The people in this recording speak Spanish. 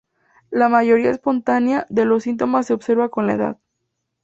La mejoría espontánea de los síntomas se observó con la edad.